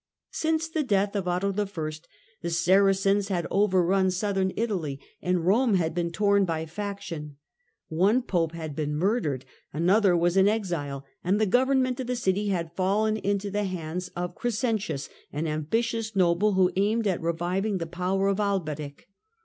Since the death of Otto I. the Saracens had overrun otto ii.'s Southern Italy, and Kome had been torn by faction, pedition,^" One Pope had been murdered, another was in exile, and ^^^ the government of the city had fallen into the hands of Crescentius, an ambitious noble, who aimed at reviving the power of Alberic.